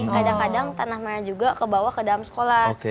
kadang kadang tanah merah juga kebawa ke dalam sekolah